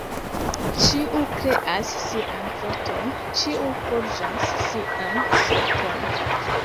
Ĉiu kreas sian forton, ĉiu forĝas sian sorton.